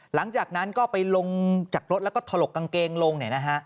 หลังจากนั้นก็ไปลงจากรถแล้วก็ถลกกางเกงลง